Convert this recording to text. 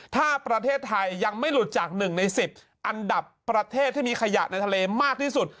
ถ้าประเทศไทยยังไม่หลุดจาก๑ใน๑๐อันดับประเทศที่มีขยะในทะเลมากที่สุด